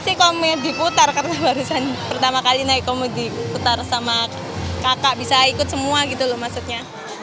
sih kome diputar karena barusan pertama kali naik diputar sama kakak bisa ikut semua gitu loh maksudnya